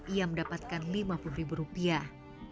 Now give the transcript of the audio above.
ia mendapatkan lima puluh ribu rupiah